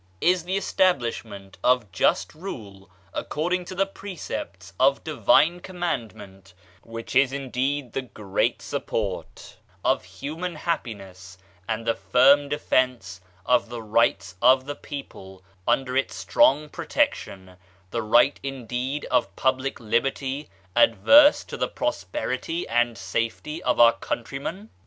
Is the establishment of just rule, according to the precepts of divine Commandment (which is indeed the great support of human happiness), and the firm defense of the rights of the people under its strong protection, the right indeed of public liberty, adverse to the prosperity and safety of our countrymen?